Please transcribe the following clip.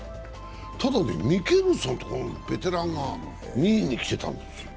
ただミケルソンとか、ベテランが２位にきていたんですよね。